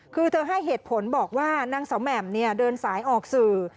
คือเธอให้เหตุผลบอกว่านางสาวแหม่มเดินสายออกสื่อ